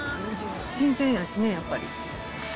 新鮮やしね、やっぱり。